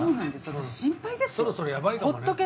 私心配ですよ。